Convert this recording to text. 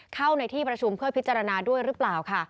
เข้าในที่ประชุมเพื่อพิจารณาด้วยหรือเปล่าค่ะ